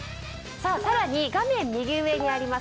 さらに画面右上にあります